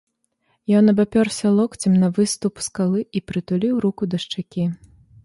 Ён абапёрся локцем на выступ скалы і прытуліў руку да шчакі.